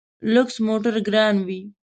لوکس موټر ګران وي.